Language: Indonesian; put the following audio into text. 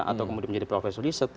atau kemudian menjadi profesor riset